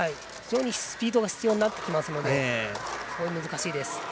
非常にスピードが必要になってきますから非常に難しいです。